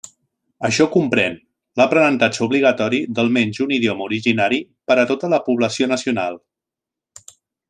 Això comprèn l'aprenentatge obligatori d'almenys un idioma originari per a tota la població nacional.